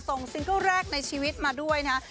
ซิงเกิ้ลแรกในชีวิตมาด้วยนะ